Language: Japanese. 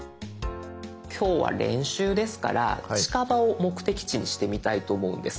今日は練習ですから近場を目的地にしてみたいと思うんです。